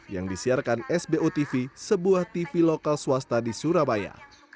yang disiarkan sbo tv sebuah tv lokal swasta di surabaya